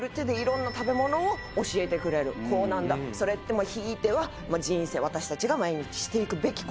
それってひいては人生私たちが毎日していくべき事。